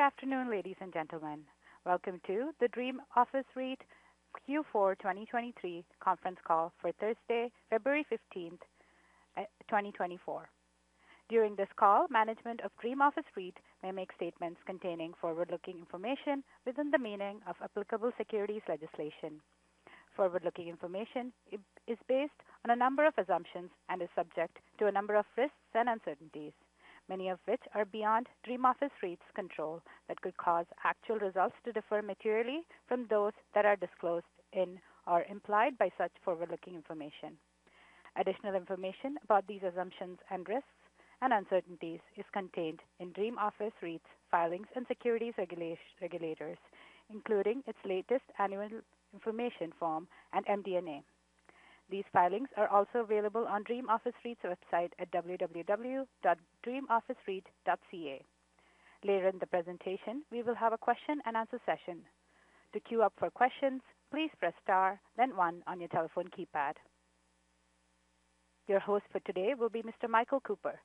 Good afternoon, ladies and gentlemen. Welcome to the Dream Office REIT Q4 2023 conference call for Thursday, February 15th, 2024. During this call, management of Dream Office REIT may make statements containing forward-looking information within the meaning of applicable securities legislation. Forward-looking information is based on a number of assumptions and is subject to a number of risks and uncertainties, many of which are beyond Dream Office REIT's control that could cause actual results to differ materially from those that are disclosed in or implied by such forward-looking information. Additional information about these assumptions and risks and uncertainties is contained in Dream Office REIT's filings with securities regulatory authorities, including its latest annual information form and MD&A. These filings are also available on Dream Office REIT's website at www.dreamofficereit.ca. Later in the presentation, we will have a question-and-answer session. To queue up for questions, please press star, then 1 on your telephone keypad. Your host for today will be Mr. Michael Cooper,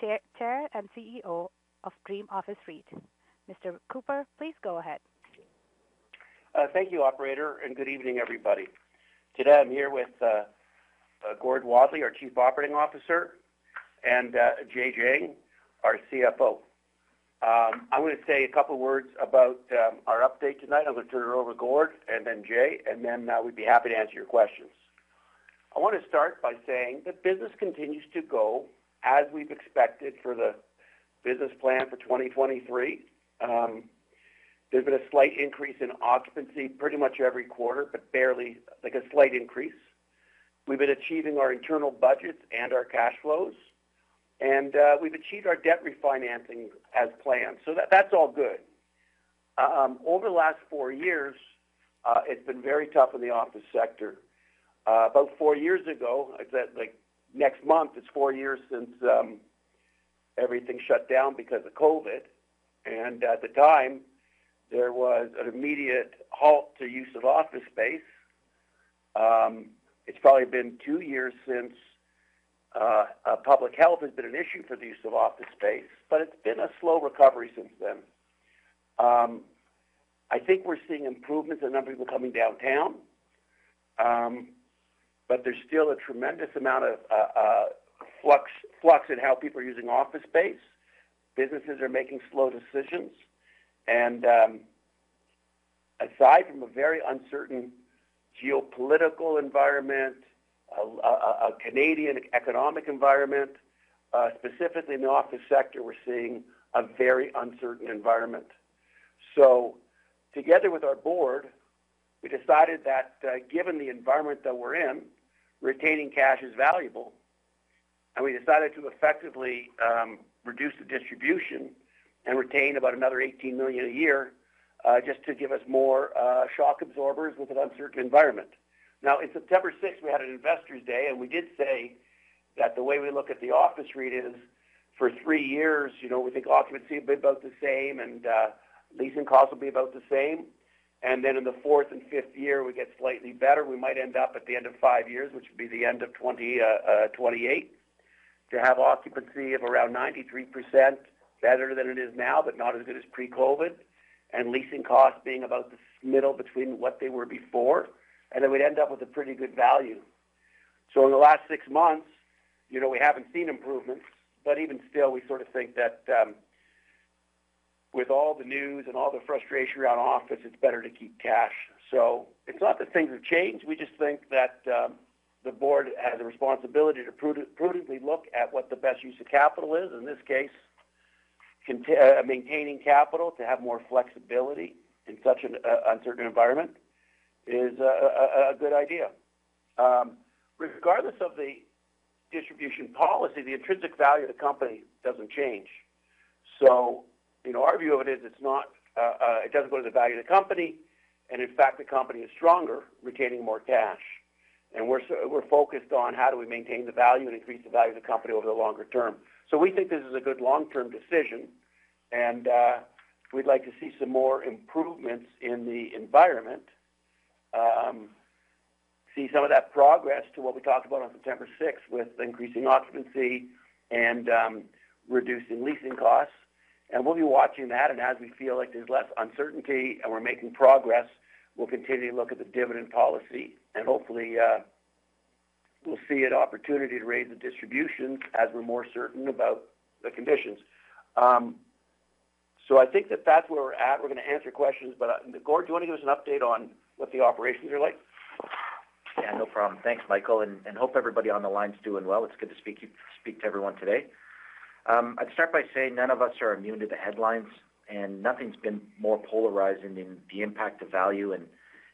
Chair and CEO of Dream Office REIT. Mr. Cooper, please go ahead. Thank you, operator, and good evening, everybody. Today I'm here with Gordon Wadley, our Chief Operating Officer, and Jay Jiang, our CFO. I wanna say a couple words about our update tonight. I'm gonna turn it over to Gordon and then Jay, and then we'd be happy to answer your questions. I wanna start by saying the business continues to go as we've expected for the business plan for 2023. There's been a slight increase in occupancy pretty much every quarter, but barely, like, a slight increase. We've been achieving our internal budgets and our cash flows, and we've achieved our debt refinancing as planned, so that's all good. Over the last four years, it's been very tough in the office sector. About four years ago exactly, like next month, it's four years since everything shut down because of COVID, and at the time, there was an immediate halt to use of office space. It's probably been two years since public health has been an issue for the use of office space, but it's been a slow recovery since then. I think we're seeing improvements in the number of people coming downtown, but there's still a tremendous amount of flux in how people are using office space. Businesses are making slow decisions, and, aside from a very uncertain geopolitical environment, a Canadian economic environment, specifically in the office sector, we're seeing a very uncertain environment. So together with our board, we decided that, given the environment that we're in, retaining cash is valuable, and we decided to effectively, reduce the distribution and retain about another 18 million a year, just to give us more, shock absorbers with an uncertain environment. Now, in September 6th, we had an investors' day, and we did say that the way we look at the office REIT is for three years, you know, we think occupancy will be about the same and, leasing costs will be about the same. And then in the fourth and fifth year, we get slightly better. We might end up at the end of five years, which would be the end of 2028, to have occupancy of around 93%, better than it is now but not as good as pre-COVID, and leasing costs being about the middle between what they were before, and then we'd end up with a pretty good value. So in the last six months, you know, we haven't seen improvements, but even still, we sort of think that, with all the news and all the frustration around office, it's better to keep cash. So it's not that things have changed. We just think that, the board has a responsibility to prudently look at what the best use of capital is. In this case, maintaining capital to have more flexibility in such an uncertain environment is a good idea. Regardless of the distribution policy, the intrinsic value of the company doesn't change. So, you know, our view of it is it's not it doesn't go to the value of the company, and in fact, the company is stronger retaining more cash. And we're so we're focused on how do we maintain the value and increase the value of the company over the longer term. So we think this is a good long-term decision, and we'd like to see some more improvements in the environment, see some of that progress to what we talked about on September 6th with increasing occupancy and reducing leasing costs. And we'll be watching that, and as we feel like there's less uncertainty and we're making progress, we'll continue to look at the dividend policy, and hopefully, we'll see an opportunity to raise the distributions as we're more certain about the conditions. I think that that's where we're at. We're gonna answer questions, but, Gordon, do you wanna give us an update on what the operations are like? Yeah, no problem. Thanks, Michael, and, and hope everybody on the line's doing well. It's good to speak to everyone today. I'd start by saying none of us are immune to the headlines, and nothing's been more polarizing in the impact of value and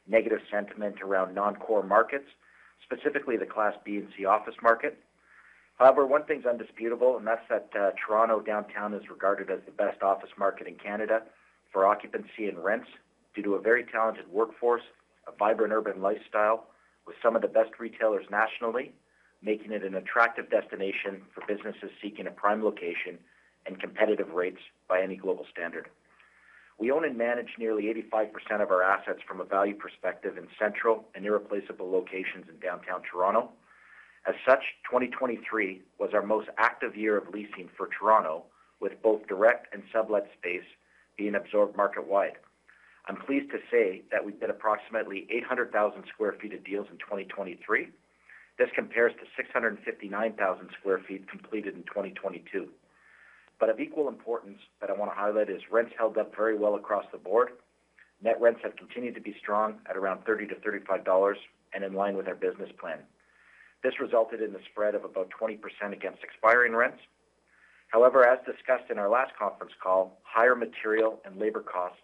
negative sentiment around non-core markets, specifically the Class B and C office market. However, one thing's indisputable, and that's that, Toronto downtown is regarded as the best office market in Canada for occupancy and rents due to a very talented workforce, a vibrant urban lifestyle with some of the best retailers nationally, making it an attractive destination for businesses seeking a prime location and competitive rates by any global standard. We own and manage nearly 85% of our assets from a value perspective in central and irreplaceable locations in downtown Toronto. As such, 2023 was our most active year of leasing for Toronto, with both direct and sublet space being absorbed marketwide. I'm pleased to say that we've bid approximately 800,000 sq ft of deals in 2023. This compares to 659,000 sq ft completed in 2022. But of equal importance that I wanna highlight is rents held up very well across the board. Net rents have continued to be strong at around 30-35 dollars and in line with our business plan. This resulted in the spread of about 20% against expiring rents. However, as discussed in our last conference call, higher material and labor costs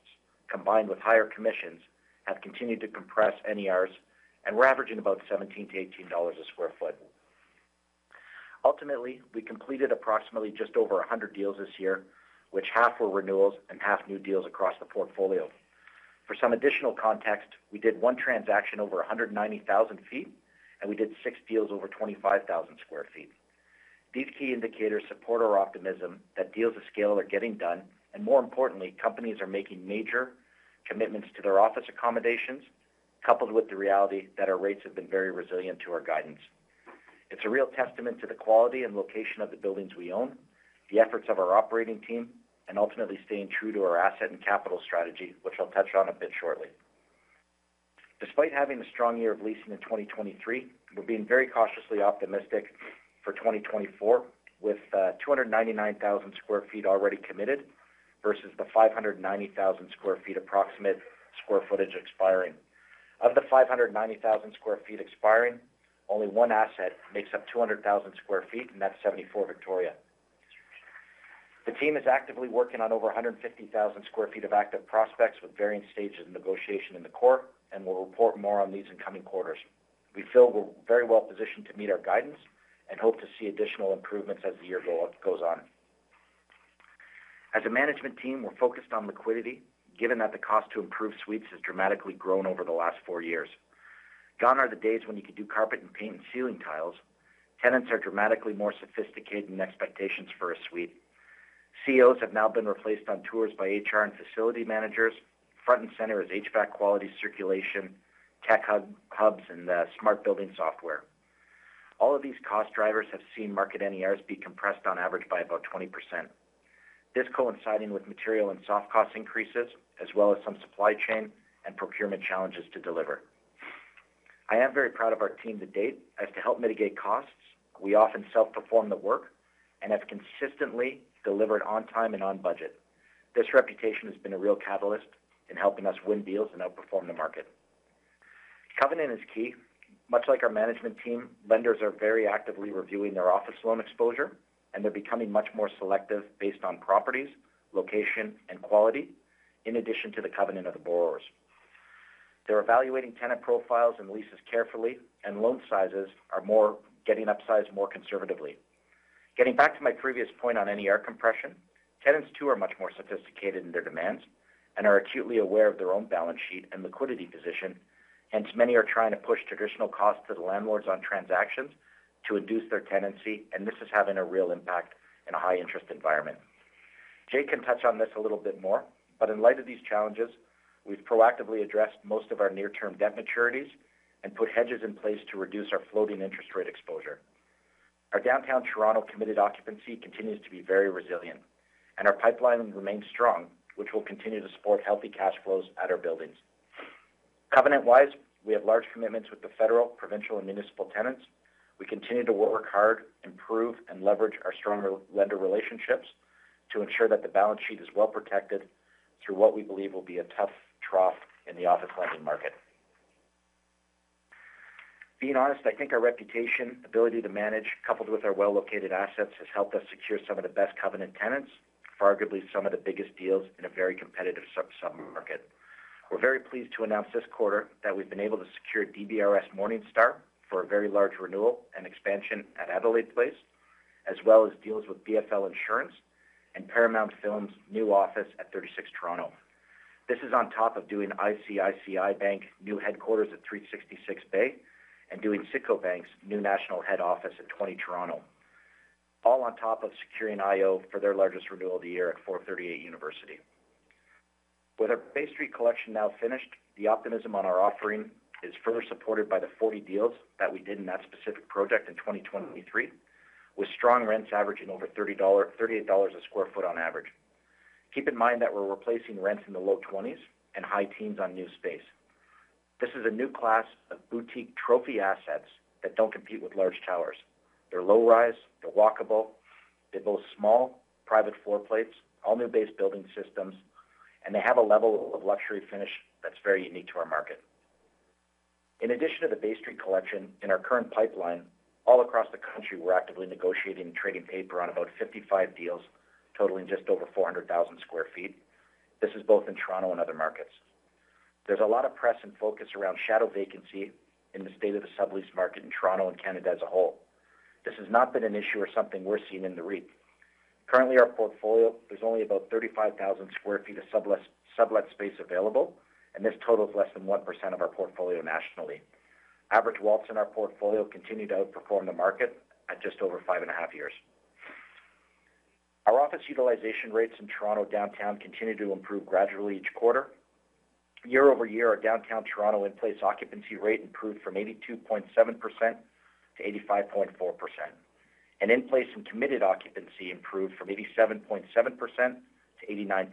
combined with higher commissions have continued to compress NERs, and we're averaging about 17-18 dollars/sq ft. Ultimately, we completed approximately just over 100 deals this year, which half were renewals and half new deals across the portfolio. For some additional context, we did one transaction over 190,000 sq ft, and we did six deals over 25,000 sq ft. These key indicators support our optimism that deals of scale are getting done, and more importantly, companies are making major commitments to their office accommodations, coupled with the reality that our rates have been very resilient to our guidance. It's a real testament to the quality and location of the buildings we own, the efforts of our operating team, and ultimately staying true to our asset and capital strategy, which I'll touch on a bit shortly. Despite having a strong year of leasing in 2023, we're being very cautiously optimistic for 2024 with 299,000 sq ft already committed versus the 590,000 sq ft approximate square footage expiring. Of the 590,000 sq ft expiring, only one asset makes up 200,000 sq ft, and that's 74 Victoria Street. The team is actively working on over 150,000 sq ft of active prospects with varying stages of negotiation in the core, and we'll report more on these in coming quarters. We feel we're very well positioned to meet our guidance and hope to see additional improvements as the year goes on. As a management team, we're focused on liquidity, given that the cost to improve suites has dramatically grown over the last four years. Gone are the days when you could do carpet and paint and ceiling tiles. Tenants are dramatically more sophisticated in expectations for a suite. CEOs have now been replaced on tours by HR and facility managers. Front and center is HVAC quality, circulation, tech hubs, and smart building software. All of these cost drivers have seen market NERs be compressed on average by about 20%, this coinciding with material and soft cost increases as well as some supply chain and procurement challenges to deliver. I am very proud of our team to date as to help mitigate costs. We often self-perform the work and have consistently delivered on time and on budget. This reputation has been a real catalyst in helping us win deals and outperform the market. Covenant is key. Much like our management team, lenders are very actively reviewing their office loan exposure, and they're becoming much more selective based on properties, location, and quality in addition to the covenant of the borrowers. They're evaluating tenant profiles and leases carefully, and loan sizes are more getting upsized more conservatively. Getting back to my previous point on NER compression, tenants too are much more sophisticated in their demands and are acutely aware of their own balance sheet and liquidity position. Hence, many are trying to push traditional costs to the landlords on transactions to induce their tenancy, and this is having a real impact in a high-interest environment. Jay can touch on this a little bit more, but in light of these challenges, we've proactively addressed most of our near-term debt maturities and put hedges in place to reduce our floating interest rate exposure. Our Downtown Toronto committed occupancy continues to be very resilient, and our pipeline remains strong, which will continue to support healthy cash flows at our buildings. Covenant-wise, we have large commitments with the federal, provincial, and municipal tenants. We continue to work hard, improve, and leverage our stronger lender relationships to ensure that the balance sheet is well protected through what we believe will be a tough trough in the office lending market. Being honest, I think our reputation, ability to manage, coupled with our well-located assets, has helped us secure some of the best covenant tenants, far arguably some of the biggest deals in a very competitive sub-submarket. We're very pleased to announce this quarter that we've been able to secure Morningstar DBRS for a very large renewal and expansion at Adelaide Place, as well as deals with BFL Insurance and Paramount Pictures' new office at 36 Toronto. This is on top of doing ICICI Bank new headquarters at 366 Bay Street and doing CIBC Bank's new national head office at 20 Toronto Street, all on top of securing IO for their largest renewal of the year at 438 University Avenue. With our Bay Street Collection now finished, the optimism on our offering is further supported by the 40 deals that we did in that specific project in 2023 with strong rents averaging over $38/sq ft on average. Keep in mind that we're replacing rents in the low 20s and high teens on new space. This is a new class of boutique trophy assets that don't compete with large towers. They're low-rise. They're walkable. They boast small private floor plates, all new base building systems, and they have a level of luxury finish that's very unique to our market. In addition to the Bay Street Collection in our current pipeline, all across the country, we're actively negotiating and trading paper on about 55 deals totaling just over 400,000 sq ft. This is both in Toronto and other markets. There's a lot of press and focus around shadow vacancy in the state of the sublease market in Toronto and Canada as a whole. This has not been an issue or something we're seeing in the REIT. Currently, our portfolio there's only about 35,000 sq ft of subless, sublet space available, and this totals less than 1% of our portfolio nationally. Average WALTs in our portfolio continue to outperform the market at just over 5.5 years. Our office utilization rates in Toronto downtown continue to improve gradually each quarter. Year-over-year, our downtown Toronto in-place occupancy rate improved from 82.7% to 85.4%, and in-place and committed occupancy improved from 87.7% to 89%.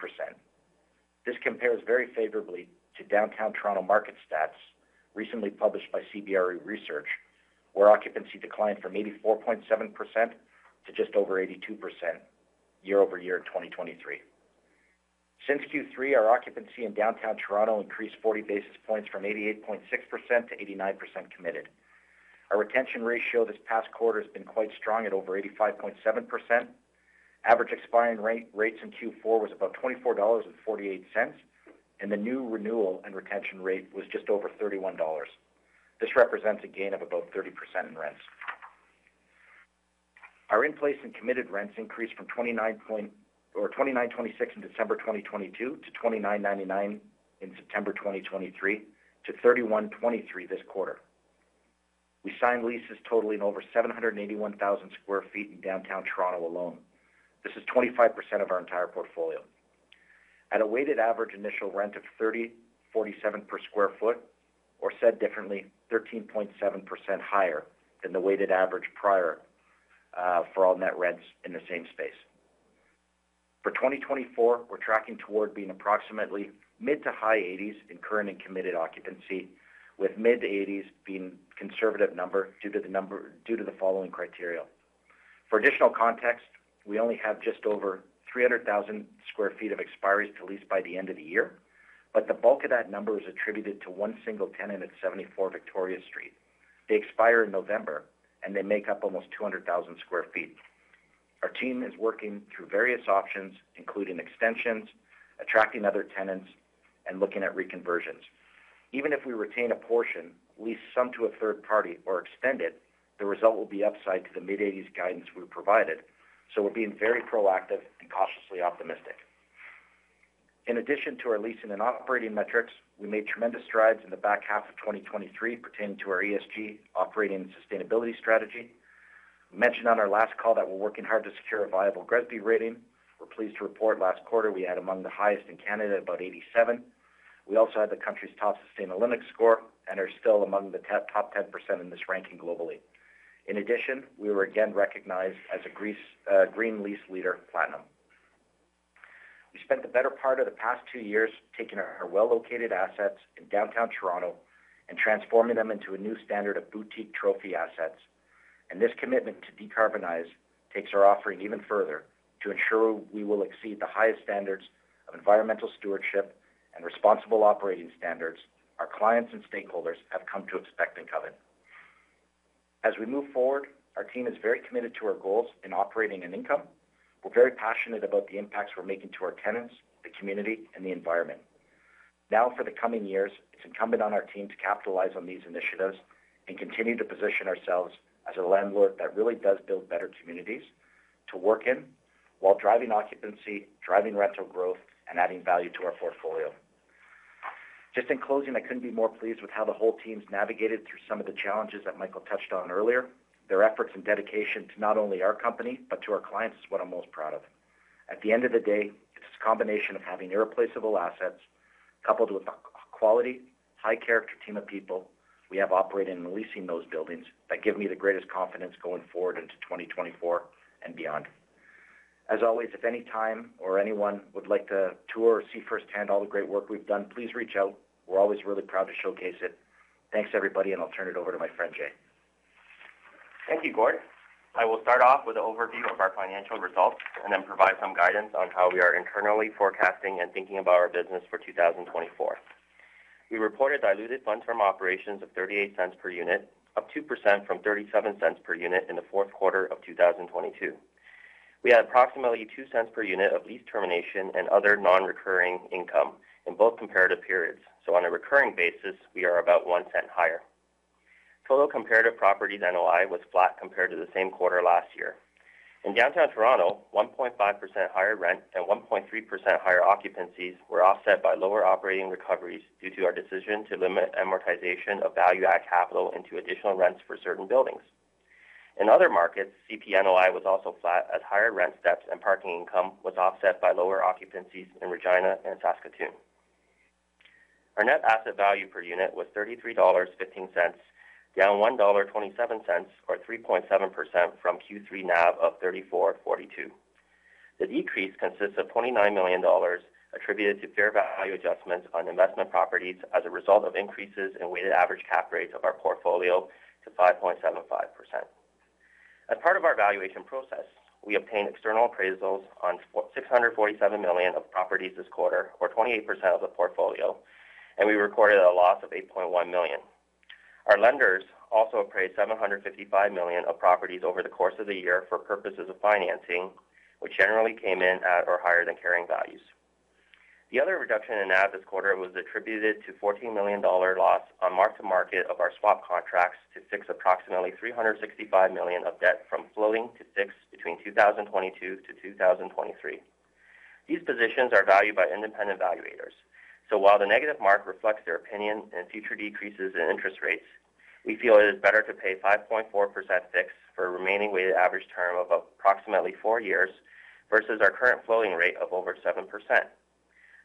This compares very favorably to downtown Toronto market stats recently published by CBRE Research, where occupancy declined from 84.7% to just over 82% year-over-year in 2023. Since Q3, our occupancy in downtown Toronto increased 40 basis points from 88.6% to 89% committed. Our retention ratio this past quarter has been quite strong at over 85.7%. Average expiring rate rates in Q4 was about 24.48 dollars, and the new renewal and retention rate was just over 31 dollars. This represents a gain of about 30% in rents. Our in-place and committed rents increased from 29.00 or 29.26 in December 2022 to 29.99 in September 2023 to 31.23 this quarter. We signed leases totaling over 781,000 sq ft in downtown Toronto alone. This is 25% of our entire portfolio. At a weighted average initial rent of 30.47 per sq ft, or said differently, 13.7% higher than the weighted average prior, for all net rents in the same space. For 2024, we're tracking toward being approximately mid- to high 80s% in current and committed occupancy, with mid-80s% being a conservative number due to the following criteria. For additional context, we only have just over 300,000 sq ft of expiries to lease by the end of the year, but the bulk of that number is attributed to one single tenant at 74 Victoria Street. They expire in November, and they make up almost 200,000 sq ft. Our team is working through various options, including extensions, attracting other tenants, and looking at reconversions. Even if we retain a portion, lease some to a third party, or extend it, the result will be upside to the mid-80s guidance we've provided, so we're being very proactive and cautiously optimistic. In addition to our leasing and operating metrics, we made tremendous strides in the back half of 2023 pertaining to our ESG operating and sustainability strategy. We mentioned on our last call that we're working hard to secure a viable GRESB rating. We're pleased to report last quarter we had among the highest in Canada, about 87. We also had the country's top sustainability score and are still among the top 10% in this ranking globally. In addition, we were again recognized as a Green Lease Leader Platinum. We spent the better part of the past two years taking our well-located assets in downtown Toronto and transforming them into a new standard of boutique trophy assets. This commitment to decarbonize takes our offering even further to ensure we will exceed the highest standards of environmental stewardship and responsible operating standards our clients and stakeholders have come to expect in covenant. As we move forward, our team is very committed to our goals in operating and income. We're very passionate about the impacts we're making to our tenants, the community, and the environment. Now, for the coming years, it's incumbent on our team to capitalize on these initiatives and continue to position ourselves as a landlord that really does build better communities to work in while driving occupancy, driving rental growth, and adding value to our portfolio. Just in closing, I couldn't be more pleased with how the whole team's navigated through some of the challenges that Michael touched on earlier. Their efforts and dedication to not only our company but to our clients is what I'm most proud of. At the end of the day, it's a combination of having irreplaceable assets coupled with a quality, high-character team of people we have operating and leasing those buildings that give me the greatest confidence going forward into 2024 and beyond. As always, if any time or anyone would like to tour or see firsthand all the great work we've done, please reach out. We're always really proud to showcase it. Thanks, everybody, and I'll turn it over to my friend Jay. Thank you, Gord. I will start off with an overview of our financial results and then provide some guidance on how we are internally forecasting and thinking about our business for 2024. We reported diluted funds from operations of 0.38 per unit, up 2% from 0.37 per unit in the fourth quarter of 2022. We had approximately 0.02 per unit of lease termination and other non-recurring income in both comparative periods, so on a recurring basis, we are about 0.01 higher. Total comparative properties NOI was flat compared to the same quarter last year. In Downtown Toronto, 1.5% higher rent and 1.3% higher occupancies were offset by lower operating recoveries due to our decision to limit amortization of value-added capital into additional rents for certain buildings. In other markets, CP NOI was also flat as higher rent steps and parking income was offset by lower occupancies in Regina and Saskatoon. Our net asset value per unit was 33.15 dollars, down 1.27 dollar or 3.7% from Q3 NAV of 34.42. The decrease consists of 29 million dollars attributed to fair value adjustments on investment properties as a result of increases in weighted average cap rates of our portfolio to 5.75%. As part of our valuation process, we obtained external appraisals on 647 million of properties this quarter, or 28% of the portfolio, and we recorded a loss of 8.1 million. Our lenders also appraised 755 million of properties over the course of the year for purposes of financing, which generally came in at or higher than carrying values. The other reduction in NAV this quarter was attributed to a CAD 14 million loss on mark-to-market of our swap contracts to fix approximately 365 million of debt from floating to fixed between 2022-2023. These positions are valued by independent valuators, so while the negative mark reflects their opinion and future decreases in interest rates, we feel it is better to pay 5.4% fixed for a remaining weighted average term of approximately four years versus our current floating rate of over 7%.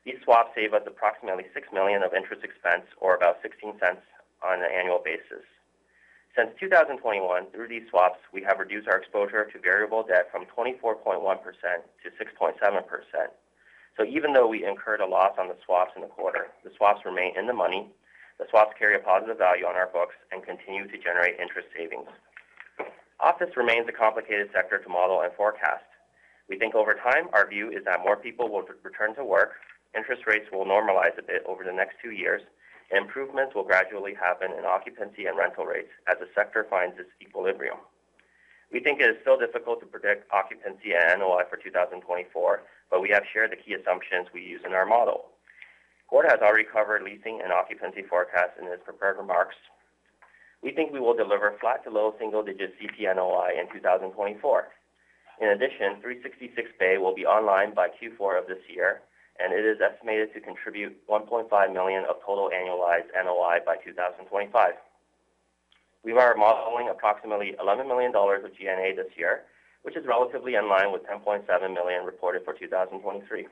These swaps save us approximately 6 million of interest expense or about 0.16 on an annual basis. Since 2021, through these swaps, we have reduced our exposure to variable debt from 24.1%-6.7%. So even though we incurred a loss on the swaps in the quarter, the swaps remain in the money. The swaps carry a positive value on our books and continue to generate interest savings. Office remains a complicated sector to model and forecast. We think over time, our view is that more people will return to work, interest rates will normalize a bit over the next two years, and improvements will gradually happen in occupancy and rental rates as the sector finds its equilibrium. We think it is still difficult to predict occupancy and NOI for 2024, but we have shared the key assumptions we use in our model. Gord has already covered leasing and occupancy forecasts in his prepared remarks. We think we will deliver flat to low single-digit CP NOI in 2024. In addition, 366 Bay will be online by Q4 of this year, and it is estimated to contribute 1.5 million of total annualized NOI by 2025. We are modeling approximately 11 million dollars of G&A this year, which is relatively in line with 10.7 million reported for 2023.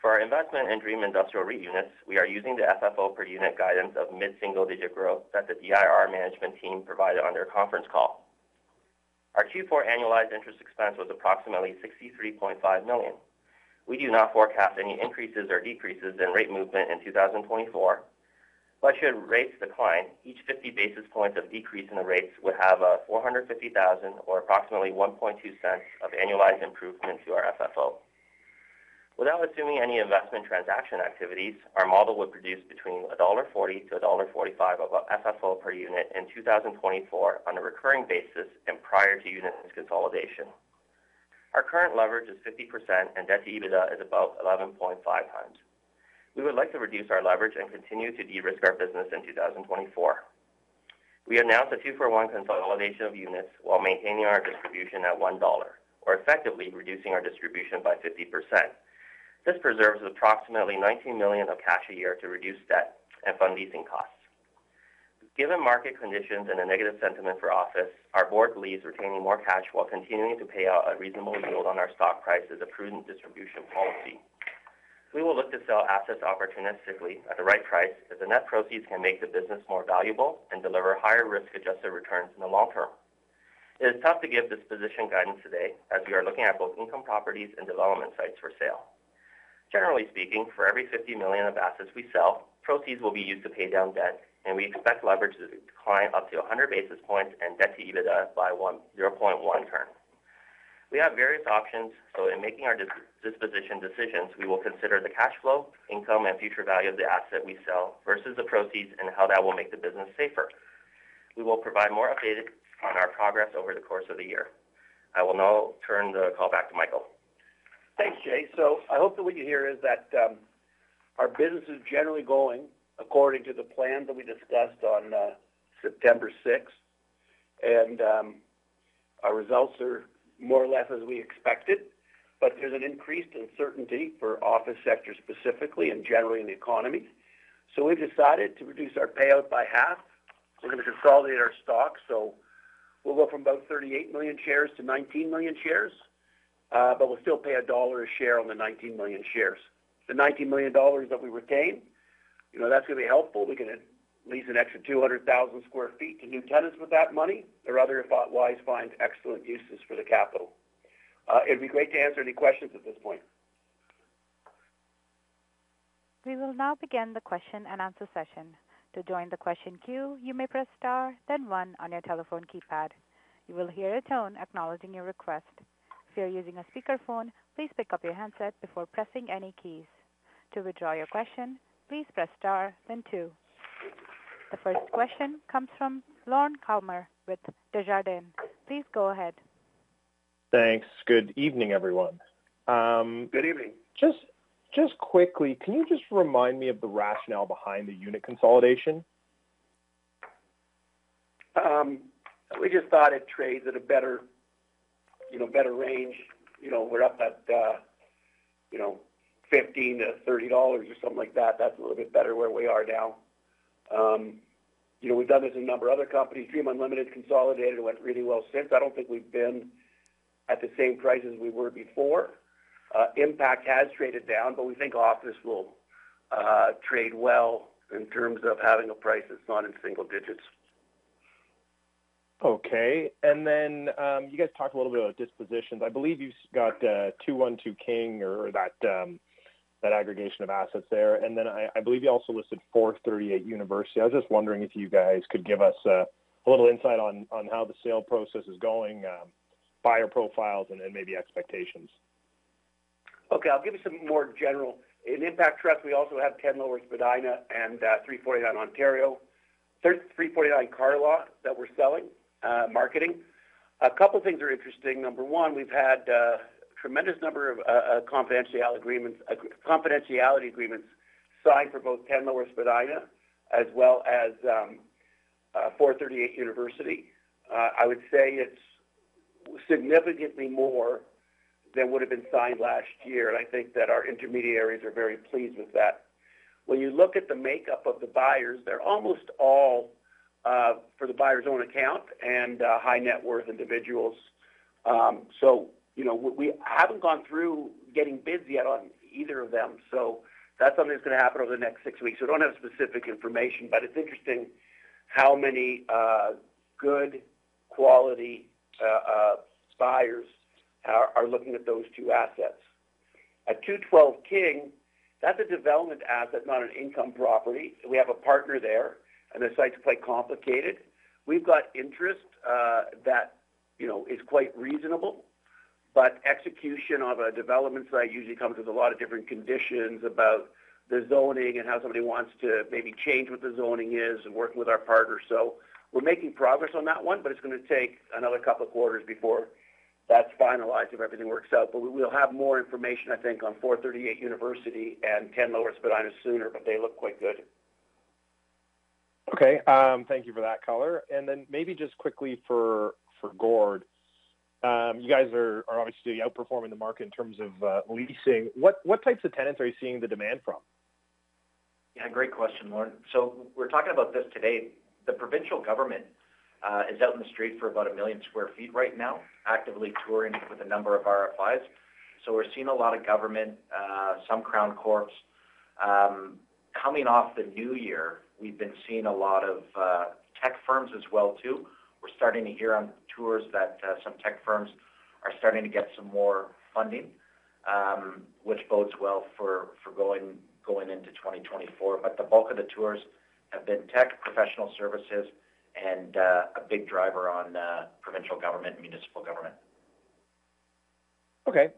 For our investment and Dream Industrial REIT units, we are using the FFO per unit guidance of mid single-digit growth that the DIR management team provided on their conference call. Our Q4 annualized interest expense was approximately 63.5 million. We do not forecast any increases or decreases in rate movement in 2024, but should rates decline, each 50 basis points of decrease in the rates would have a 450,000 or approximately 0.012 of annualized improvement to our FFO. Without assuming any investment transaction activities, our model would produce between 1.40-1.45 dollar of FFO per unit in 2024 on a recurring basis and prior to units consolidation. Our current leverage is 50%, and debt to EBITDA is about 11.5x. We would like to reduce our leverage and continue to de-risk our business in 2024. We announced a 2-for-1 consolidation of units while maintaining our distribution at 1 dollar, or effectively reducing our distribution by 50%. This preserves approximately 19 million of cash a year to reduce debt and fund leasing costs. Given market conditions and the negative sentiment for office, our board believes retaining more cash while continuing to pay out a reasonable yield on our stock price is a prudent distribution policy. We will look to sell assets opportunistically at the right price as the net proceeds can make the business more valuable and deliver higher risk-adjusted returns in the long term. It is tough to give disposition guidance today as we are looking at both income properties and development sites for sale. Generally speaking, for every 50 million of assets we sell, proceeds will be used to pay down debt, and we expect leverage to decline up to 100 basis points and debt to EBITDA by 1, 0.1x. We have various options, so in making our disposition decisions, we will consider the cash flow, income, and future value of the asset we sell versus the proceeds and how that will make the business safer. We will provide more updates on our progress over the course of the year. I will now turn the call back to Michael. Thanks, Jay. So I hope that what you hear is that, our business is generally going according to the plan that we discussed on, September 6th, and, our results are more or less as we expected. But there's an increased uncertainty for office sector specifically and generally in the economy. So we've decided to reduce our payout by half. We're going to consolidate our stock, so we'll go from about 38 million shares to 19 million shares, but we'll still pay CAD 1 a share on the 19 million shares. The 19 million dollars that we retain, you know, that's going to be helpful. We're going to lease an extra 200,000 sq ft to new tenants with that money or otherwise find excellent uses for the capital. It'd be great to answer any questions at this point. We will now begin the question-and-answer session. To join the question queue, you may press star, then one on your telephone keypad. You will hear a tone acknowledging your request. If you're using a speakerphone, please pick up your handset before pressing any keys. To withdraw your question, please press star, then two. The first question comes from Lorne Kalmar with Desjardins. Please go ahead. Thanks. Good evening, everyone. Good evening. Just quickly, can you just remind me of the rationale behind the unit consolidation? We just thought it trades at a better, you know, better range. You know, we're up at, you know, 15-30 dollars or something like that. That's a little bit better where we are now. You know, we've done this in a number of other companies. Dream Unlimited consolidated. It went really well since. I don't think we've been at the same prices we were before. Impact has traded down, but we think office will trade well in terms of having a price that's not in single digits. Okay. And then, you guys talked a little bit about dispositions. I believe you've got 212 King or that aggregation of assets there. And then I believe you also listed 438 University. I was just wondering if you guys could give us a little insight on how the sale process is going, buyer profiles, and maybe expectations. Okay. I'll give you some more general. In Dream Impact Trust, we also have 10 Lower Spadina and 349 Carlaw that we're selling, marketing. A couple of things are interesting. Number one, we've had a tremendous number of confidentiality agreements signed for both 10 Lower Spadina as well as 438 University Avenue. I would say it's significantly more than would have been signed last year, and I think that our intermediaries are very pleased with that. When you look at the makeup of the buyers, they're almost all for the buyer's own account and high-net-worth individuals. So, you know, we haven't gone through getting bids yet on either of them, so that's something that's going to happen over the next six weeks. So we don't have specific information, but it's interesting how many good quality buyers are looking at those two assets. At 212 King, that's a development asset, not an income property. We have a partner there, and the sites are quite complicated. We've got interest that you know is quite reasonable, but execution of a development site usually comes with a lot of different conditions about the zoning and how somebody wants to maybe change what the zoning is and working with our partner. So we're making progress on that one, but it's going to take another couple of quarters before that's finalized if everything works out. But we will have more information, I think, on 438 University and 10 Lower Spadina sooner, but they look quite good. Okay. Thank you for that color. And then maybe just quickly for Gord, you guys are obviously outperforming the market in terms of leasing. What types of tenants are you seeing the demand from? Yeah. Great question, Lorne. So we're talking about this today. The provincial government is out in the street for about 1 million sq ft right now, actively touring with a number of RFIs. So we're seeing a lot of government, some Crown Corps, coming off the new year. We've been seeing a lot of tech firms as well too. We're starting to hear on tours that some tech firms are starting to get some more funding, which bodes well for going into 2024. But the bulk of the tours have been tech, professional services, and a big driver on provincial government and municipal government. Okay.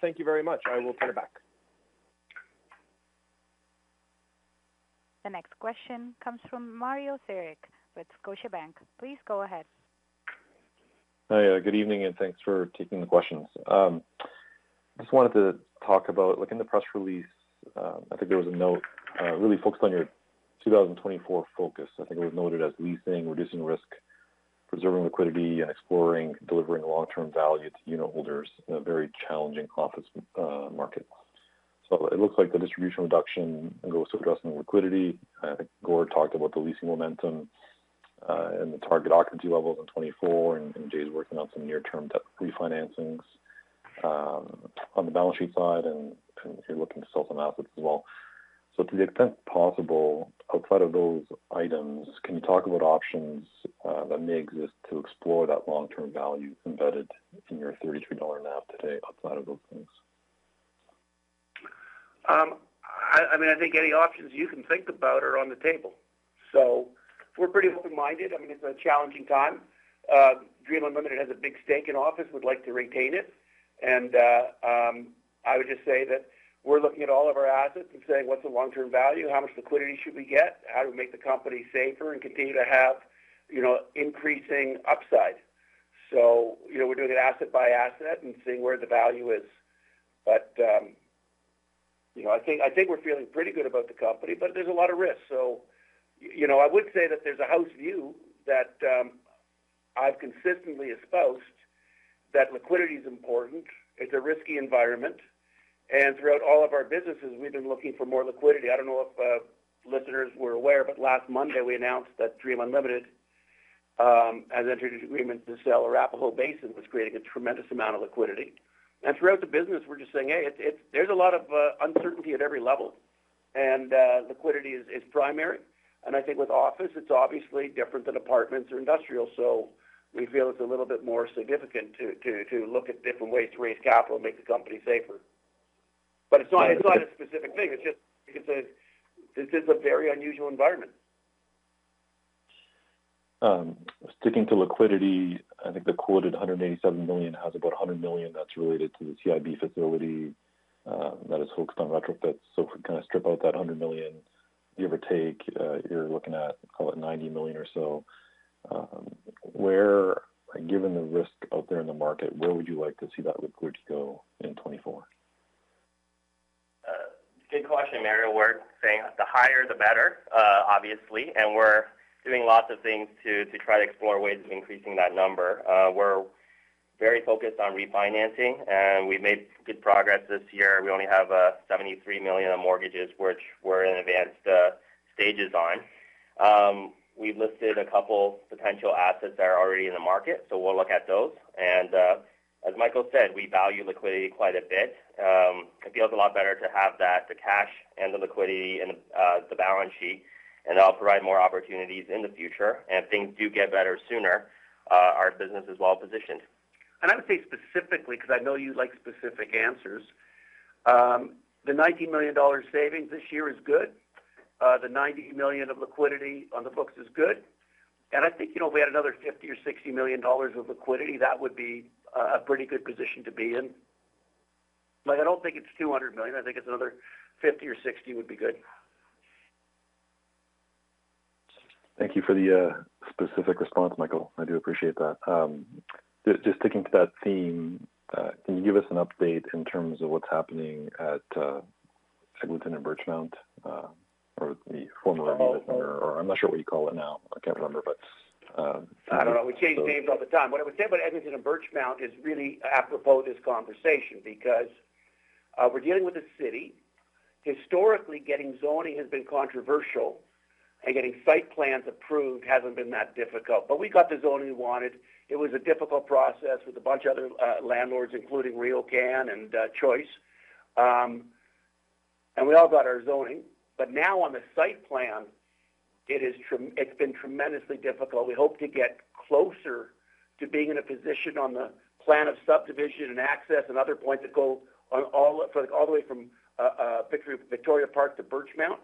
Thank you very much. I will turn it back. The next question comes from Mario Saric with Scotiabank. Please go ahead. Hi. Good evening, and thanks for taking the questions. I just wanted to talk about, like, in the press release, I think there was a note, really focused on your 2024 focus. I think it was noted as leasing, reducing risk, preserving liquidity, and exploring, delivering long-term value to unit holders in a very challenging office market. So it looks like the distribution reduction goes to addressing liquidity. I think Gord talked about the leasing momentum, and the target occupancy levels in 2024, and, and Jay's working on some near-term debt refinancings, on the balance sheet side, and, and you're looking to sell some assets as well. So to the extent possible, outside of those items, can you talk about options that may exist to explore that long-term value embedded in your $33 NAV today outside of those things? I, I mean, I think any options you can think about are on the table. So we're pretty open-minded. I mean, it's a challenging time. Dream Unlimited has a big stake in office, would like to retain it. And I would just say that we're looking at all of our assets and saying, "What's the long-term value? How much liquidity should we get? How do we make the company safer and continue to have, you know, increasing upside?" So, you know, we're doing it asset by asset and seeing where the value is. But, you know, I think I think we're feeling pretty good about the company, but there's a lot of risk. So, you know, I would say that there's a house view that I've consistently espoused that liquidity is important. It's a risky environment. And throughout all of our businesses, we've been looking for more liquidity. I don't know if listeners were aware, but last Monday, we announced that Dream Unlimited has entered into agreements to sell Arapahoe Basin, which is creating a tremendous amount of liquidity. And throughout the business, we're just saying, "Hey, it's there's a lot of uncertainty at every level, and liquidity is primary." And I think with office, it's obviously different than apartments or industrial, so we feel it's a little bit more significant to look at different ways to raise capital and make the company safer. But it's not a specific thing. It's just this is a very unusual environment. Sticking to liquidity, I think the quoted 187 million has about 100 million that's related to the CIBC facility, that is focused on retrofits. So if we kind of strip out that 100 million, give or take, you're looking at, call it, 90 million or so. Where, given the risk out there in the market, where would you like to see that liquidity go in 2024? Good question, Mario. We're saying the higher, the better, obviously. And we're doing lots of things to, to try to explore ways of increasing that number. We're very focused on refinancing, and we've made good progress this year. We only have 73 million of mortgages, which we're in advanced stages on. We've listed a couple of potential assets that are already in the market, so we'll look at those. And, as Michael said, we value liquidity quite a bit. It feels a lot better to have that, the cash and the liquidity in the, the balance sheet, and that'll provide more opportunities in the future. If things do get better sooner, our business is well positioned. I would say specifically because I know you like specific answers, the 19 million dollars savings this year is good. The 90 million of liquidity on the books is good. I think, you know, if we had another 50 million or 60 million dollars of liquidity, that would be, a pretty good position to be in. Like, I don't think it's 200 million. I think it's another 50 or 60 would be good. Thank you for the, specific response, Michael. I do appreciate that. Just, just sticking to that theme, can you give us an update in terms of what's happening at Edmonton and Birchmount, or the former unit number, or I'm not sure what you call it now? I can't remember, but I don't know. We change names all the time. What I would say about Edmonton and Birchmount is really apropos of this conversation because we're dealing with a city. Historically, getting zoning has been controversial, and getting site plans approved hasn't been that difficult. But we got the zoning we wanted. It was a difficult process with a bunch of other landlords, including RioCan and Choice, and we all got our zoning. But now, on the site plan, it's been tremendously difficult. We hope to get closer to being in a position on the plan of subdivision and access and other points that go on all the way from Victoria Park to Birchmount.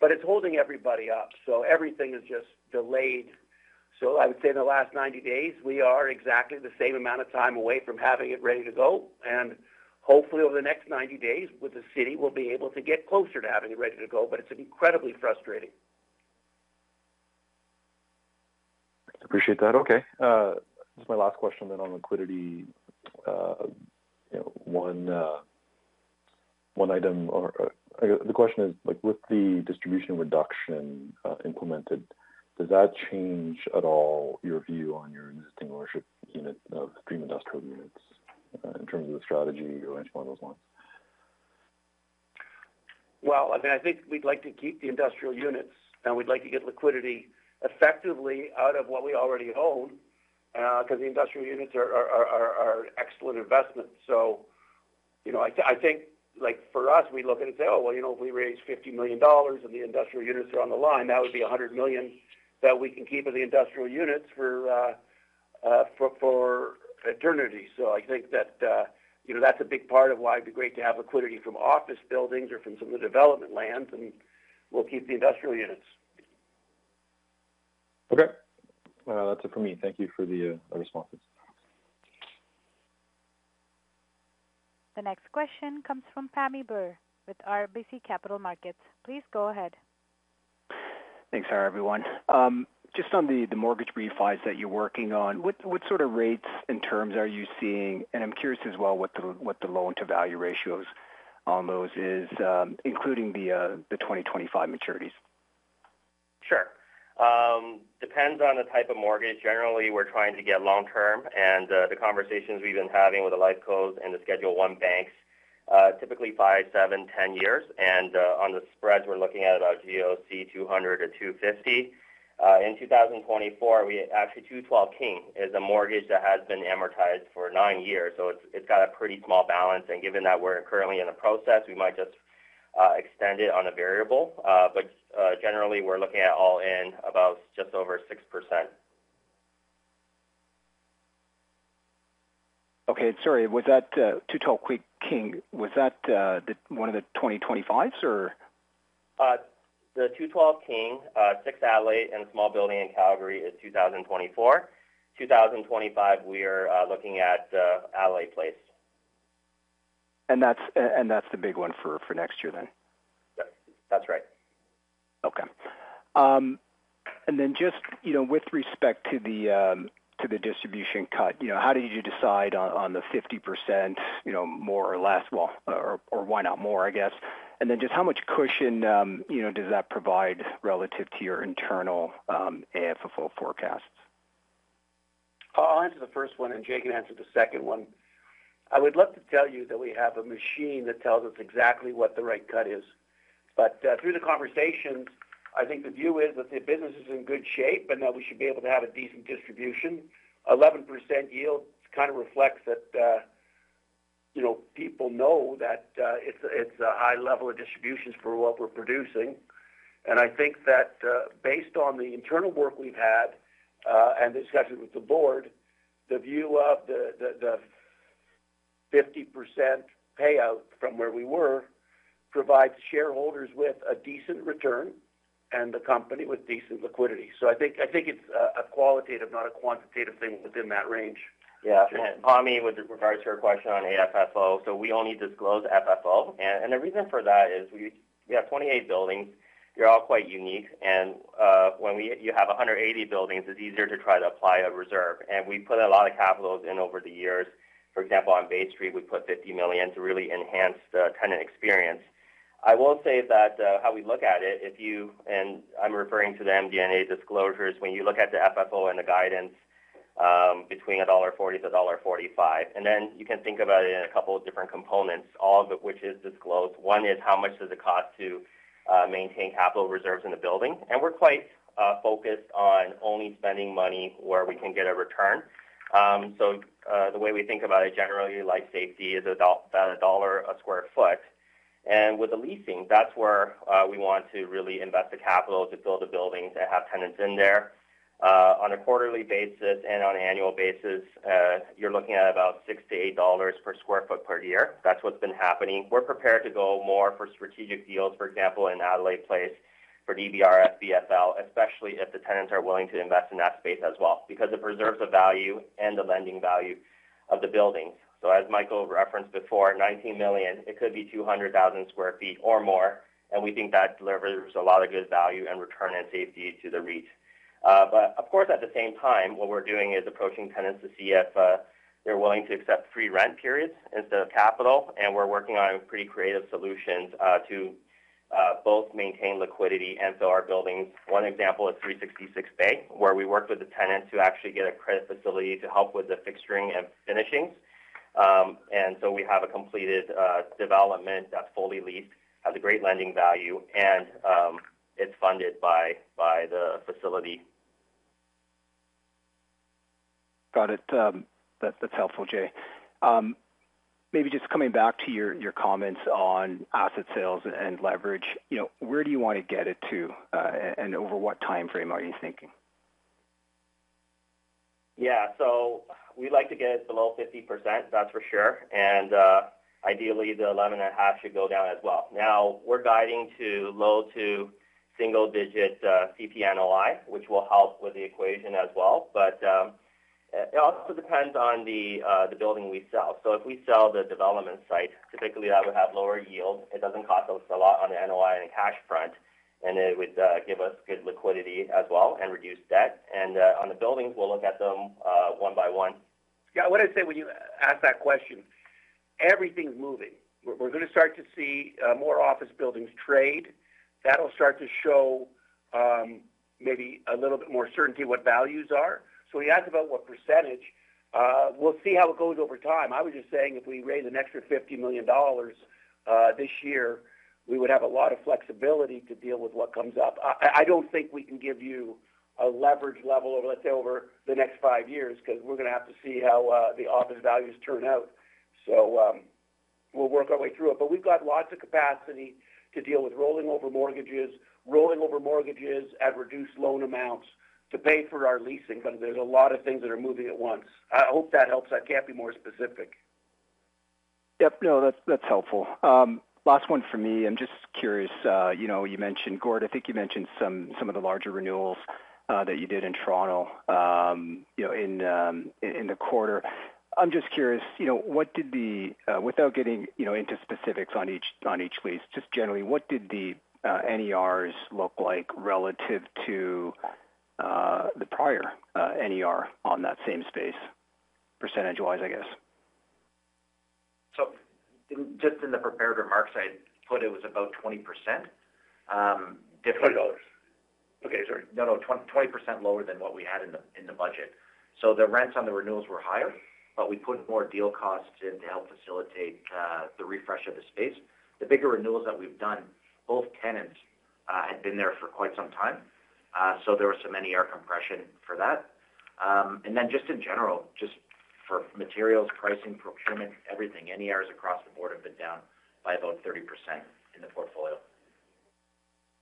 But it's holding everybody up, so everything is just delayed. So I would say in the last 90 days, we are exactly the same amount of time away from having it ready to go. And hopefully, over the next 90 days, with the city, we'll be able to get closer to having it ready to go. But it's incredibly frustrating. Appreciate that. Okay. Just my last question then on liquidity, you know, one item or, I guess the question is, like, with the distribution reduction implemented, does that change at all your view on your existing ownership unit of Dream Industrial units, in terms of the strategy or anything along those lines? Well, I mean, I think we'd like to keep the industrial units, and we'd like to get liquidity effectively out of what we already own, because the industrial units are excellent investments. So, you know, I think, like, for us, we look at it and say, "Oh, well, you know, if we raise 50 million dollars and the industrial units are on the line, that would be 100 million that we can keep as the industrial units for eternity." So I think that, you know, that's a big part of why it'd be great to have liquidity from office buildings or from some of the development lands, and we'll keep the industrial units. Okay. That's it from me. Thank you for the responses. The next question comes from Pammi Bir with RBC Capital Markets. Please go ahead. Thanks, everyone. Just on the mortgage refis that you're working on, what sort of rates and terms are you seeing? And I'm curious as well what the loan-to-value ratios on those is, including the 2025 maturities. Sure. Depends on the type of mortgage. Generally, we're trying to get long-term. And the conversations we've been having with the LifeCos and the Schedule I banks, typically 5, 7, 10 years. And on the spreads, we're looking at about GOC 200-250. In 2024, we actually 212 King is a mortgage that has been amortized for 9 years, so it's got a pretty small balance. And given that we're currently in the process, we might just extend it on a variable. But generally, we're looking at all-in about just over 6%. Okay. Sorry. Was that 212 King that the one of the 2025s, or? The 212 King, 366 Bay and a small building in Calgary in 2024. In 2025, we are looking at Adelaide Place. And that's the big one for next year then? Yep. That's right. Okay. And then just, you know, with respect to the distribution cut, you know, how did you decide on the 50%, you know, more or less, well, or why not more, I guess? And then just how much cushion, you know, does that provide relative to your internal AFFO forecasts? I'll answer the first one, and Jay can answer the second one. I would love to tell you that we have a machine that tells us exactly what the right cut is. But through the conversations, I think the view is that the business is in good shape and that we should be able to have a decent distribution. 11% yield kind of reflects that, you know, people know that. It's a high level of distributions for what we're producing. I think that, based on the internal work we've had, and the discussions with the board, the view of the 50% payout from where we were provides shareholders with a decent return and the company with decent liquidity. So I think it's a qualitative, not a quantitative thing within that range. Yeah. Pammy, with regards to her question on AFFO, we only disclose FFO. And the reason for that is we have 28 buildings. They're all quite unique. And when you have 180 buildings, it's easier to try to apply a reserve. And we put a lot of capital in over the years. For example, on Bay Street, we put 50 million to really enhance the tenant experience. I will say that, how we look at it, if you and I'm referring to the MD&A disclosures. When you look at the FFO and the guidance, between 1.40-1.45 dollar, and then you can think about it in a couple of different components, all of which is disclosed. One is how much does it cost to, maintain capital reserves in the building? And we're quite, focused on only spending money where we can get a return. So, the way we think about it, generally, life safety is about CAD 1 per sq ft. And with the leasing, that's where, we want to really invest the capital to build the buildings that have tenants in there. On a quarterly basis and on annual basis, you're looking at about 6-8 dollars per sq ft per year. That's what's been happening. We're prepared to go more for strategic deals, for example, in Adelaide Place for DBRS, BFL, especially if the tenants are willing to invest in that space as well because it preserves the value and the lending value of the buildings. So as Michael referenced before, 19 million, it could be 200,000 sq ft or more. And we think that delivers a lot of good value and return and safety to the REIT. But of course, at the same time, what we're doing is approaching tenants to see if they're willing to accept free rent periods instead of capital. And we're working on pretty creative solutions to both maintain liquidity and fill our buildings. One example is 366 Bay, where we worked with the tenant to actually get a credit facility to help with the fixturing and finishings. And so we have a completed development that's fully leased, has a great lending value, and it's funded by the facility. Got it. That's helpful, Jay. Maybe just coming back to your comments on asset sales and leverage, you know, where do you want to get it to, and over what time frame are you thinking? Yeah. So we'd like to get it below 50%, that's for sure. And, ideally, the 11.5 should go down as well. Now, we're guiding to low- to single-digit CP NOI, which will help with the equation as well. But it also depends on the building we sell. So if we sell the development site, typically, that would have lower yield. It doesn't cost us a lot on the NOI and the cash front, and it would give us good liquidity as well and reduce debt. On the buildings, we'll look at them, one by one. Yeah. What I'd say when you ask that question, everything's moving. We're going to start to see, more office buildings trade. That'll start to show, maybe a little bit more certainty what values are. So when you ask about what percentage, we'll see how it goes over time. I was just saying if we raise an extra 50 million dollars, this year, we would have a lot of flexibility to deal with what comes up. I don't think we can give you a leverage level over, let's say, over the next five years because we're going to have to see how, the office values turn out. So, we'll work our way through it. But we've got lots of capacity to deal with rolling over mortgages, rolling over mortgages at reduced loan amounts to pay for our leasing because there's a lot of things that are moving at once. I, I hope that helps. I can't be more specific. Yep. No, that's, that's helpful. Last one from me. I'm just curious, you know, you mentioned Gordon. I think you mentioned some, some of the larger renewals that you did in Toronto, you know, in, in, in the quarter. I'm just curious, you know, what did the, without getting, you know, into specifics on each on each lease, just generally, what did the NERs look like relative to the prior NER on that same space percentage-wise, I guess? So just in the prepared remarks, I put it was about 20% different. $20. Okay. Sorry. No, no. 20% lower than what we had in the budget. So the rents on the renewals were higher, but we put more deal costs in to help facilitate the refresh of the space. The bigger renewals that we've done, both tenants had been there for quite some time, so there was some NER compression for that. And then just in general, just for materials, pricing, procurement, everything, NERs across the board have been down by about 30% in the portfolio.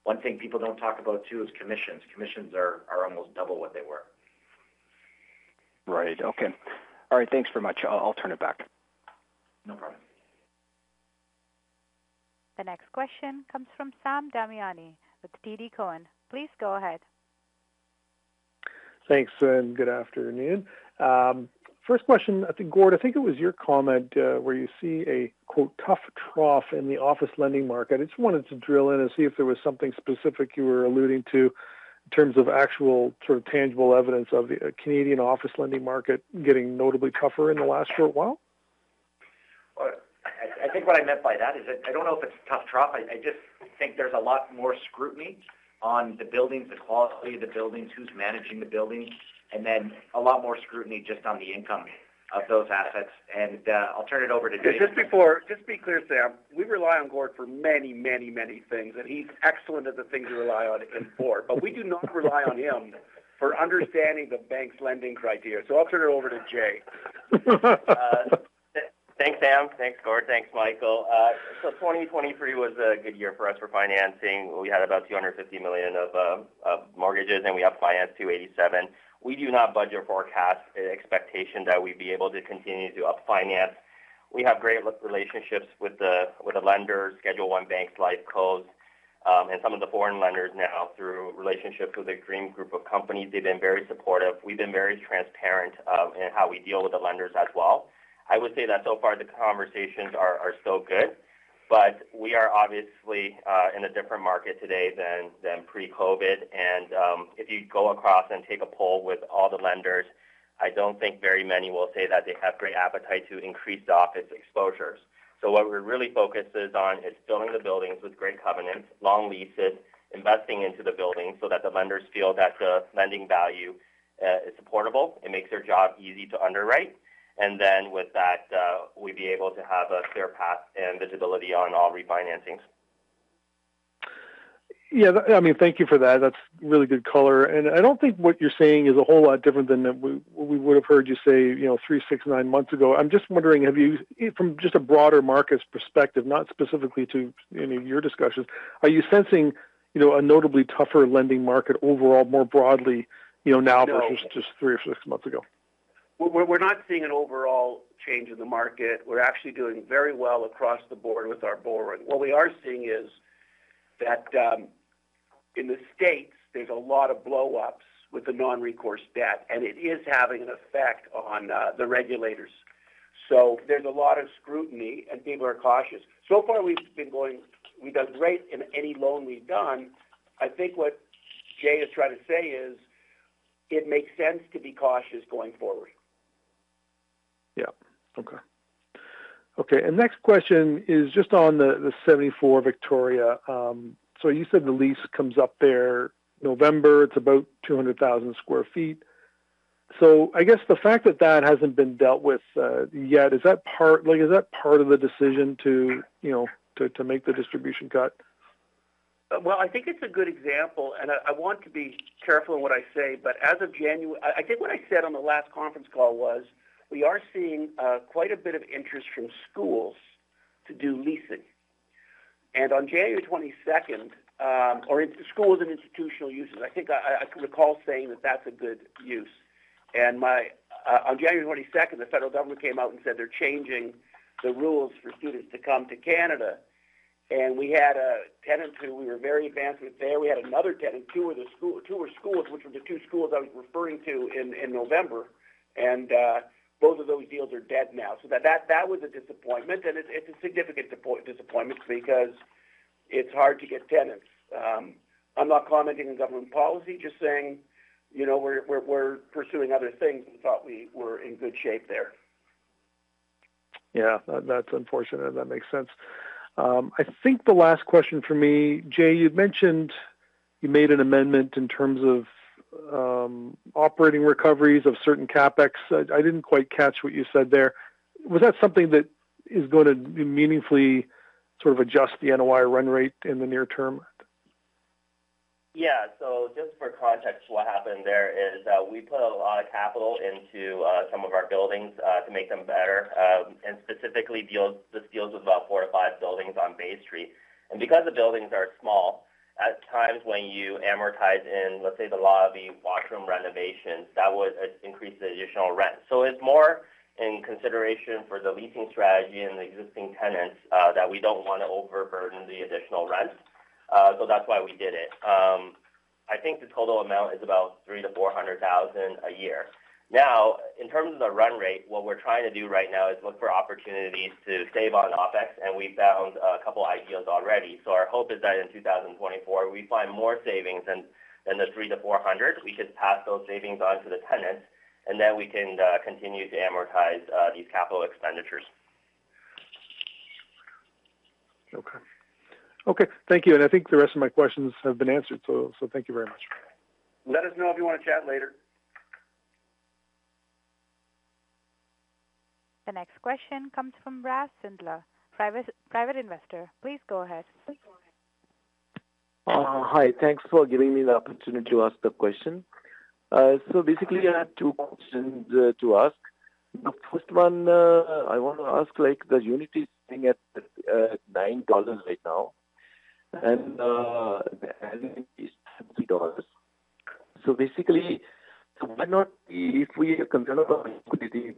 One thing people don't talk about too is commissions. Commissions are almost double what they were. Right. Okay. All right. Thanks very much. I'll turn it back. No problem. The next question comes from Sam Damiani with TD Cowen. Please go ahead. Thanks, and good afternoon. First question, I think, Gordon. I think it was your comment where you see a, quote, "tough trough" in the office lending market. I just wanted to drill in and see if there was something specific you were alluding to in terms of actual sort of tangible evidence of the Canadian office lending market getting notably tougher in the last short while. Well, I think what I meant by that is I don't know if it's a tough trough. I just think there's a lot more scrutiny on the buildings, the quality of the buildings, who's managing the buildings, and then a lot more scrutiny just on the income of those assets. I'll turn it over to Jay. Just to be clear, Sam. We rely on Gordon for many, many, many things, and he's excellent at the things we rely on on board. But we do not rely on him for understanding the bank's lending criteria. So I'll turn it over to Jay. Thanks, Sam. Thanks, Gordon. Thanks, Michael. 2023 was a good year for us for financing. We had about 250 million of, of mortgages, and we upfinanced 287 million. We do not budget forecast expectation that we'd be able to continue to upfinanced. We have great relationships with the with the lenders, Schedule I banks, LifeCos, and some of the foreign lenders now through relationships with the Dream Group of Companies. They've been very supportive. We've been very transparent, in how we deal with the lenders as well. I would say that so far, the conversations are, are still good. But we are obviously, in a different market today than, than pre-COVID. If you go across and take a poll with all the lenders, I don't think very many will say that they have great appetite to increase the office exposures. So what we're really focused on is filling the buildings with great covenants, long leases, investing into the buildings so that the lenders feel that the lending value is supportable. It makes their job easy to underwrite. And then with that, we'd be able to have a clear path and visibility on all refinancings. Yeah. I mean, thank you for that. That's really good color. And I don't think what you're saying is a whole lot different than that we would have heard you say, you know, three, six, nine months ago. I'm just wondering, have you from just a broader market's perspective, not specifically to, you know, your discussions, are you sensing, you know, a notably tougher lending market overall more broadly, you know, now versus just three or six months ago? No. We're not seeing an overall change in the market. We're actually doing very well across the board with our borrowing. What we are seeing is that, in the States, there's a lot of blow-ups with the non-recourse debt, and it is having an effect on the regulators. So there's a lot of scrutiny, and people are cautious. So far, we've done great in any loan we've done. I think what Jay is trying to say is it makes sense to be cautious going forward. Yep. Okay. Okay. And next question is just on the 74 Victoria. So you said the lease comes up there November. It's about 200,000 sq ft. So I guess the fact that that hasn't been dealt with, yet, is that part like, is that part of the decision to, you know, to, to make the distribution cut? Well, I think it's a good example. I, I want to be careful in what I say. But as of January I, I think what I said on the last conference call was we are seeing, quite a bit of interest from schools to do leasing. On January 22nd, or schools and institutional uses, I think I, I, I recall saying that that's a good use. My on January 22nd, the federal government came out and said they're changing the rules for students to come to Canada. And we had a tenant who we were very advanced with there. We had another tenant. Two were the school; two were schools, which were the two schools I was referring to in November. Both of those deals are dead now. So that was a disappointment. It's a significant disappointment because it's hard to get tenants. I'm not commenting on government policy, just saying, you know, we're pursuing other things. We thought we were in good shape there. Yeah. That's unfortunate. That makes sense. I think the last question for me, Jay, you've mentioned you made an amendment in terms of operating recoveries of certain CapEx. I didn't quite catch what you said there. Was that something that is going to meaningfully sort of adjust the NOI run rate in the near term? Yeah. So just for context, what happened there is we put a lot of capital into some of our buildings to make them better, and specifically deals this deals with about 4 or 5 buildings on Bay Street. And because the buildings are small, at times when you amortize in, let's say, the lobby, washroom renovations, that would increase the additional rent. So it's more in consideration for the leasing strategy and the existing tenants, that we don't want to overburden the additional rent. So that's why we did it. I think the total amount is about 300,000-400,000 a year. Now, in terms of the run rate, what we're trying to do right now is look for opportunities to save on OpEx. We found a couple of ideas already. So our hope is that in 2024, we find more savings than the 300-400. We could pass those savings on to the tenants, and then we can continue to amortize these capital expenditures. Okay. Okay. Thank you. And I think the rest of my questions have been answered. So thank you very much. Let us know if you want to chat later. The next question comes from Brass Sindler, private investor. Please go ahead. Hi. Thanks for giving me the opportunity to ask the question. So basically, I have two questions to ask. The first one, I want to ask, like, the unit is sitting at 9 dollars right now, and the added unit is 50 dollars. So basically, why not if we are concerned about equity?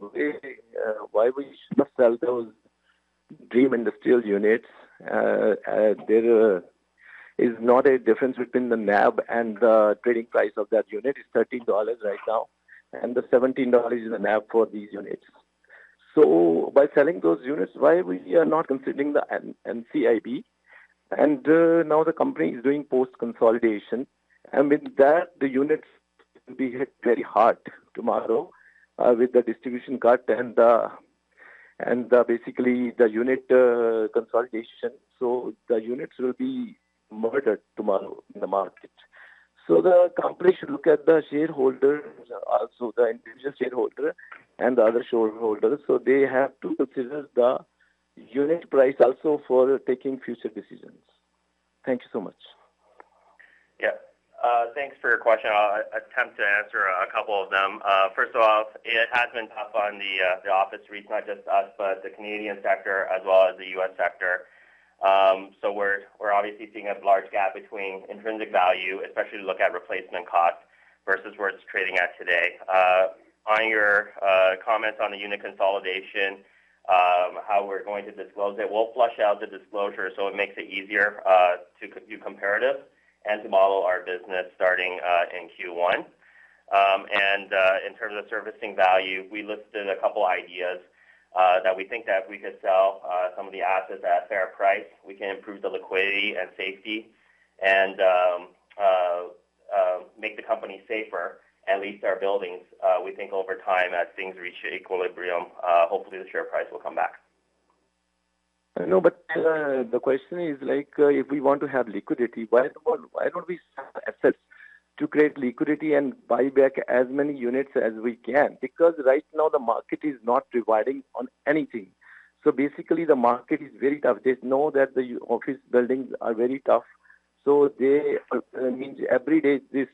Why we should not sell those Dream Industrial units? There is not a difference between the NAV and the trading price of that unit. It's 13 dollars right now, and the 17 dollars is the NAV for these units. So by selling those units, why are we not considering the NCIB? Now the company is doing post-consolidation. With that, the units will be hit very hard tomorrow, with the distribution cut and basically the unit consolidation. So the units will be murdered tomorrow in the market. So the company should look at the shareholders, also the individual shareholder and the other shareholders. So they have to consider the unit price also for taking future decisions. Thank you so much. Yeah. Thanks for your question. I'll attempt to answer a couple of them. First of all, it has been tough on the office REIT, not just us but the Canadian sector as well as the U.S. sector. So we're obviously seeing a large gap between intrinsic value, especially to look at replacement cost, versus where it's trading at today. On your comments on the unit consolidation, how we're going to disclose it, we'll flesh out the disclosure so it makes it easier to do comparative and to model our business starting in Q1. And in terms of unlocking value, we listed a couple of ideas that we think that if we could sell some of the assets at a fair price, we can improve the liquidity and safety and make the company safer, at least our buildings. We think over time as things reach equilibrium, hopefully the share price will come back. I know. The question is, like, if we want to have liquidity, why don't we sell assets to create liquidity and buy back as many units as we can? Because right now, the market is not providing on anything. So basically, the market is very tough. They know that the office buildings are very tough. So they means every day, the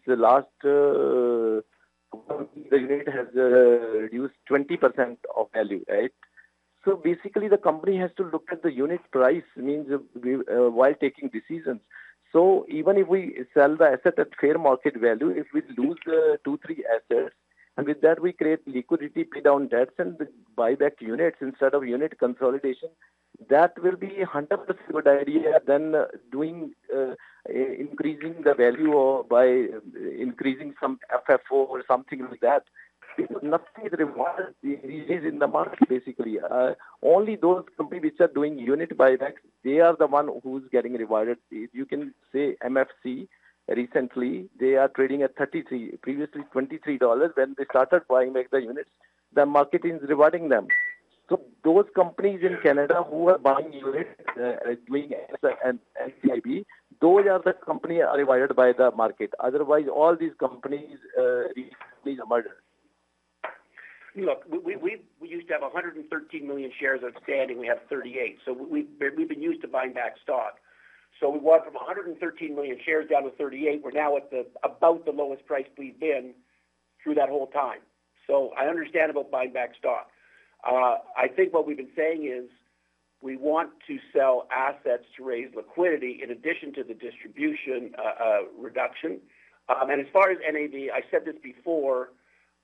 unit has reduced 20% of value, right? So basically, the company has to look at the unit price, means while taking decisions. So even if we sell the asset at fair market value, if we lose two, three assets, and with that, we create liquidity, pay down debts, and buy back units instead of unit consolidation, that will be 100% a good idea than doing increasing the value by increasing some FFO or something like that. Because nothing is rewarded in the market, basically. Only those companies which are doing unit buybacks, they are the one who's getting rewarded. You can say MFC recently. They are trading at 33 previously, 23 dollars when they started buying back the units. The market is rewarding them. So those companies in Canada who are buying units, doing NCIB, those are the companies are rewarded by the market. Otherwise, all these companies, recently are murdered. Look, we used to have 113 million shares outstanding. We have 38. So we've been used to buying back stock. So we went from 113 million shares down to 38. We're now at about the lowest price we've been through that whole time. So I understand about buying back stock. I think what we've been saying is we want to sell assets to raise liquidity in addition to the distribution, reduction. And as far as NAV, I said this before.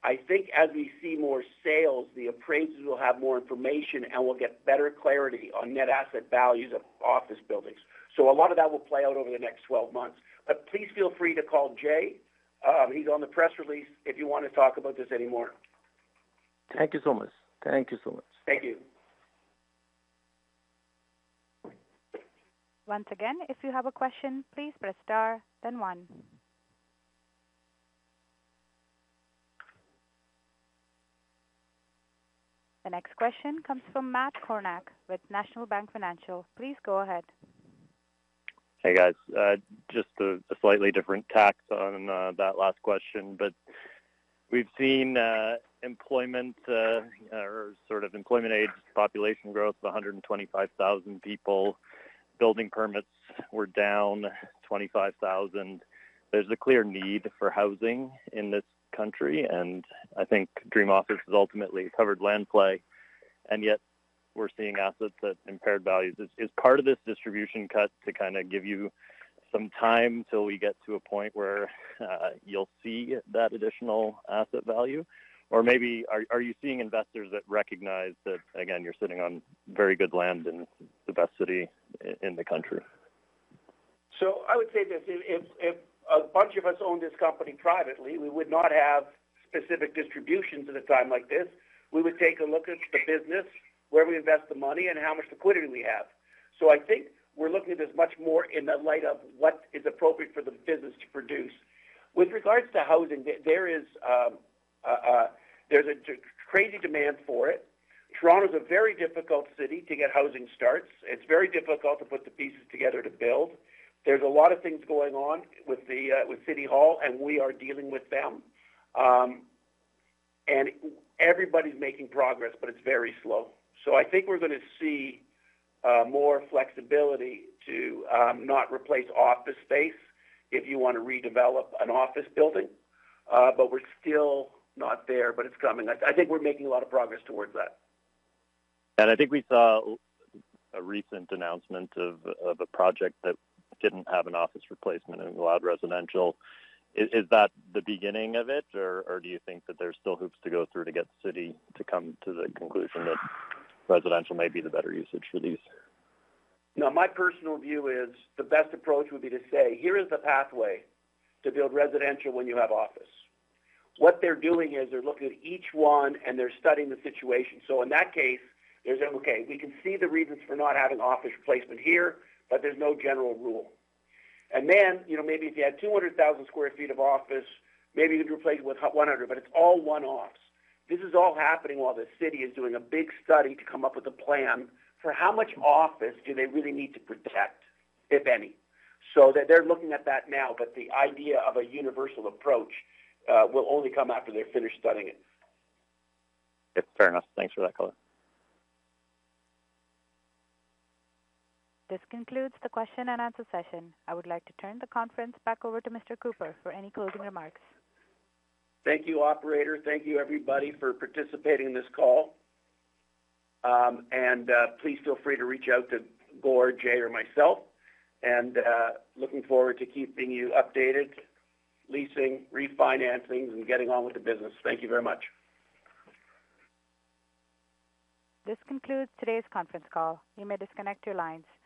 I think as we see more sales, the appraisers will have more information, and we'll get better clarity on net asset values of office buildings. So a lot of that will play out over the next 12 months. But please feel free to call Jay. He's on the press release if you want to talk about this anymore. Thank you so much. Thank you so much. Thank you. Once again, if you have a question, please press star, then one. The next question comes from Matt Kornack with National Bank Financial. Please go ahead. Hey, guys. Just a slightly different tack on that last question. But we've seen employment, or sort of employment aids, population growth of 125,000 people. Building permits were down 25,000. There's a clear need for housing in this country. And I think Dream Office has ultimately covered land play. And yet, we're seeing assets at impaired values. Is part of this distribution cut to kind of give you some time till we get to a point where you'll see that additional asset value? Or maybe are you seeing investors that recognize that, again, you're sitting on very good land in the best city in the country? So I would say this. If a bunch of us own this company privately, we would not have specific distributions at a time like this. We would take a look at the business, where we invest the money, and how much liquidity we have. So I think we're looking at this much more in the light of what is appropriate for the business to produce. With regards to housing, there is a crazy demand for it. Toronto's a very difficult city to get housing starts. It's very difficult to put the pieces together to build. There's a lot of things going on with City Hall, and we are dealing with them. Everybody's making progress, but it's very slow. So I think we're going to see more flexibility to not replace office space if you want to redevelop an office building. But we're still not there, but it's coming. I think we're making a lot of progress towards that. And I think we saw a recent announcement of a project that didn't have an office replacement in the all residential. Is that the beginning of it, or do you think that there's still hoops to go through to get the city to come to the conclusion that residential may be the better usage for these? Now, my personal view is the best approach would be to say, "Here is the pathway to build residential when you have office." What they're doing is they're looking at each one, and they're studying the situation. So in that case, they're saying, "Okay. We can see the reasons for not having office replacement here, but there's no general rule." And then, you know, maybe if you had 200,000 sq ft of office, maybe you could replace it with 100, but it's all one-offs. This is all happening while the city is doing a big study to come up with a plan for how much office do they really need to protect, if any, so that they're looking at that now. But the idea of a universal approach will only come after they're finished studying it. Yeah. Fair enough. Thanks for that color. This concludes the question-and-answer session. I would like to turn the conference back over to Mr. Cooper for any closing remarks. Thank you, operator. Thank you, everybody, for participating in this call. Please feel free to reach out to Gord, Jay, or myself. Looking forward to keeping you updated, leasing, refinancing, and getting on with the business. Thank you very much. This concludes today's conference call. You may disconnect your lines.